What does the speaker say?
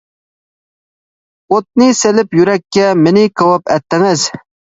ئوتنى سېلىپ يۈرەككە، مېنى كاۋاپ ئەتتىڭىز.